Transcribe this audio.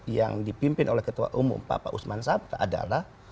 yang dipimpin oleh ketua umum pak usman sabra adalah